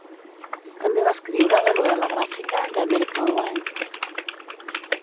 També va escriure la novel·la gràfica The American Way.